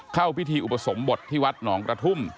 เข้าพิธีอุปสมบทที่วัดหนองกระทุ่ม